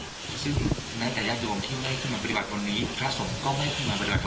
ซึ่งในแต่ญาติโยมที่ไม่ขึ้นมาปฏิบัติพรรณนี้พระสมก็ไม่ขึ้นมาปฏิบัติพรรณนี้